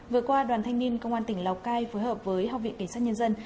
vừa qua đoàn thanh niên công an tỉnh lào cai phối hợp với học viện cảnh sát nhân dân